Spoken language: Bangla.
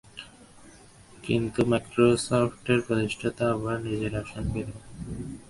কিন্তু মাইক্রোসফটের প্রতিষ্ঠাতা আবার নিজের আসন ফিরে পান।